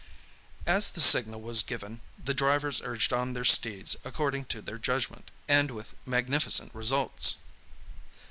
As the signal was given, the drivers urged on their steeds according to their judgment, and with magnificent results.